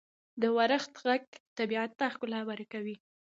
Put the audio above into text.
• د اورښت ږغ طبیعت ته ښکلا ورکوي.